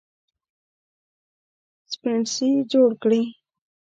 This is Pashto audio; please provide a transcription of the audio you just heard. سپڼسي جوړ کړي